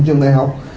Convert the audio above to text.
trường đại học